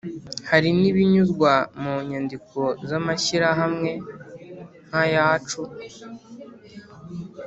hari n'ibinyuzwa mu nyandiko z'amashyirahamwe nka yacu